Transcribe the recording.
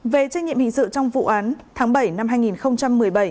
về trách nhiệm hình sự trong vụ án tháng bảy năm hai nghìn một mươi bảy